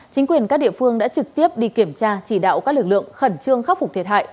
chính quyền các địa phương đã trực tiếp đi kiểm tra chỉ đạo các lực lượng khẩn trương khắc phục thiệt hại